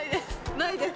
ないです。